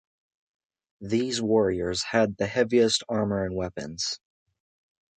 These warriors had the heaviest armor and weapons.